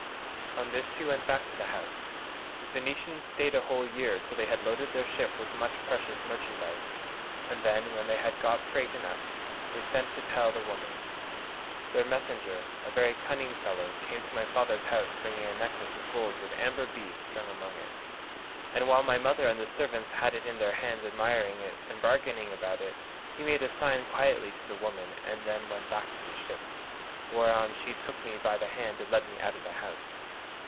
"On this she went back to the house. The Phoenicians stayed a whole year till they had loaded their ship with much precious merchandise, and then, when they had got freight enough, they sent to tell the woman. Their messenger, a very cunning fellow, came to my father's house bringing a necklace of gold with amber beads strung among it; and while my mother and the servants had it in their hands admiring it and bargaining about it, he made a sign quietly to the woman and then went back to the ship, whereon she took me by the hand and led me out of the house.